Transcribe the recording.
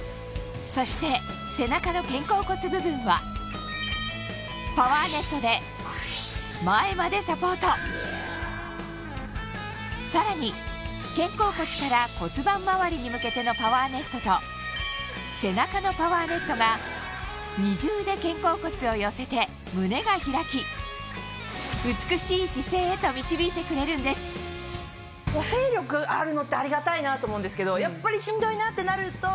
そして背中の肩甲骨部分はパワーネットで前までサポートさらに肩甲骨から骨盤まわりに向けてのパワーネットと背中のパワーネットが二重で肩甲骨を寄せて胸が開き導いてくれるんですと思うんですけどやっぱり。